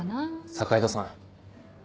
坂井戸さん。